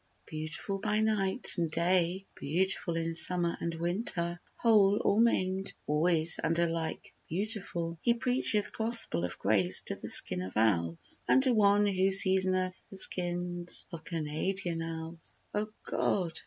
Beautiful by night and day, beautiful in summer and winter, Whole or maimed, always and alike beautiful— He preacheth gospel of grace to the skin of owls And to one who seasoneth the skins of Canadian owls: O God!